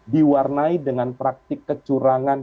diwarnai dengan praktik kecurangan